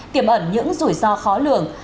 kiểm ẩn những rủi ro khó lường